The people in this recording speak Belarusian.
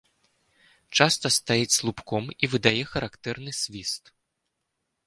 Часта стаіць слупком і выдае характэрны свіст.